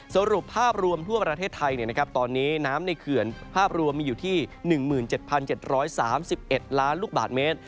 สรุปภาพรวมทั่วประเทศไทยตอนนี้น้ำในเขื่อนภาพรวมมีอยู่ที่๑๗๗๓๑ล้านลูกบาทเมตร